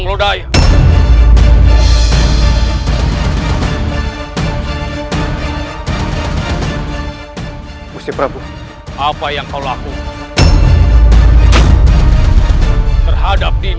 masuklah ke dalam